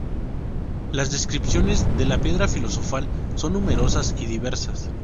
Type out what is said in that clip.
Las descripciones de la Piedra Filosofal son numerosas y diversas.